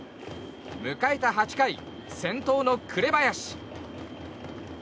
迎えた８回、先頭の紅林。